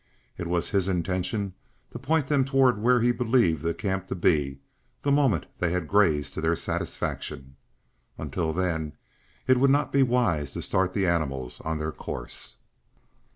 It was his intention to point them toward where he believed the camp to be the moment they had grazed to their satisfaction. Until then it would not be wise to start the animals on their course.